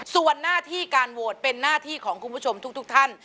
ส่วนหน้าที่การโหวตเป็นหน้าที่ของคุณผู้ชมทุกท่าน